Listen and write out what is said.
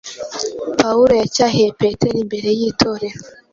Pawulo yacyahiye Petero imbere y’Itorero